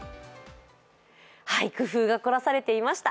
工夫が凝らされていました。